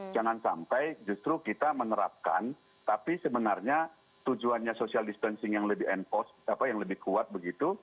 jangan sampai justru kita menerapkan tapi sebenarnya tujuannya social distancing yang lebih end post yang lebih kuat begitu